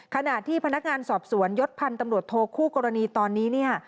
ขณะที่พนักงานสอบสวนยศพันธ์ตำรวจโทคู่กรณีตอนนี้เนี่ย